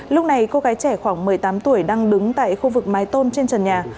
lúc này cô gái trẻ khoảng một mươi tám tuổi đang đứng tại khu vực mái tôn trên trần nhà